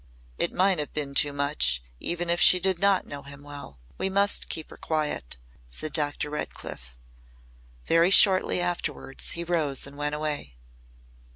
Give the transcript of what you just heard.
"It might have been too much, even if she did not know him well. We must keep her quiet," said Dr. Redcliff. Very shortly afterwards he rose and went away.